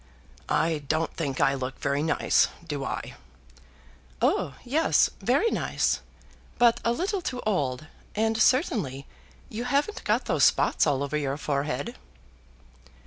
"I don't think I look very nice, do I?" "Oh yes, very nice, but a little too old; and certainly you haven't got those spots all over your forehead.